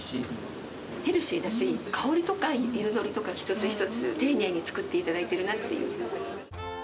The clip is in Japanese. ヘルシーだし、香りとか彩りとか一つ一つ、丁寧に作っていただいてるなっていう。